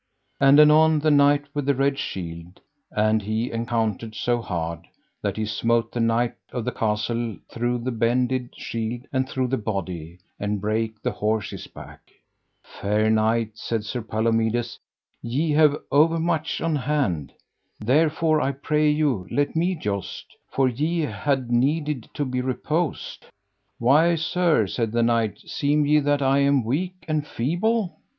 And anon the Knight with the Red Shield and he encountered so hard that he smote the knight of the castle through the bended shield and through the body, and brake the horse's back. Fair knight, said Sir Palomides, ye have overmuch on hand, therefore I pray you let me joust, for ye had need to be reposed. Why sir, said the knight, seem ye that I am weak and feeble?